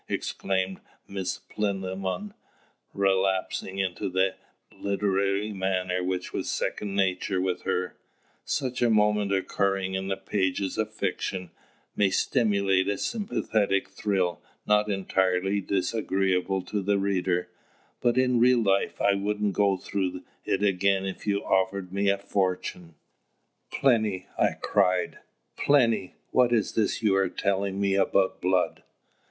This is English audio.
exclaimed Miss Plinlimmon, relapsing into that literary manner which was second nature with her, "such a moment occurring in the pages of fiction, may stimulate a sympathetic thrill not entirely disagreeable to the reader, but in real life I wouldn't go through it again if you offered me a fortune." "Plinny," I cried "Plinny, what is this you are telling me about blood?"